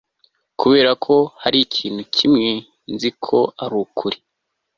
kuberako hari ikintu kimwe nzi ko arukuri